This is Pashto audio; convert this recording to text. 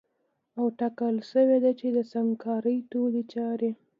او ټاکل سوې ده چي د سنګکارۍ ټولي چاري